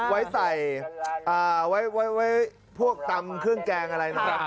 ไว้ใส่ไว้พวกตำเครื่องแกงอะไรนะครับ